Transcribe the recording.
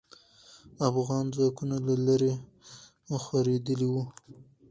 افغان ځواکونه له لرې خورېدلې وو.